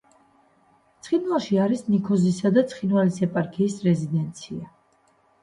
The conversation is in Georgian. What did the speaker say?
ცხინვალში არის ნიქოზისა და ცხინვალის ეპარქიის რეზიდენცია.